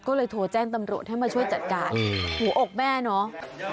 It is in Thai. ก็เลยโทรแจ้งตำรวจให้มาช่วยจัดการหัวอกแม่เนาะ